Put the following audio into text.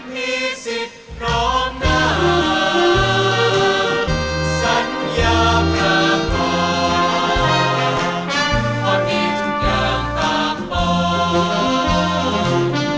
มีสิทธิ์พร้อมนั้นสัญญาพระพรขอทิ้งทุกอย่างฝากป้อง